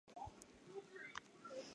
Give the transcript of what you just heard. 鲁勒河畔维雷人口变化图示